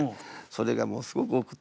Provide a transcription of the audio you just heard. それがもうすごく多くて。